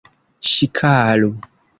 Ŝikalu!